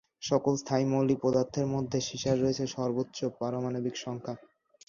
সকল স্থায়ী মৌলিক পদার্থের মধ্যে সীসার রয়েছে সর্বোচ্চ পারমাণবিক সংখ্যা।